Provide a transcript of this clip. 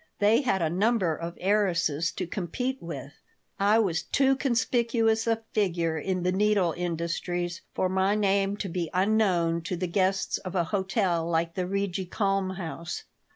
They had a number of heiresses to compete with I was too conspicuous a figure in the needle industries for my name to be unknown to the guests of a hotel like the Rigi Kulm House.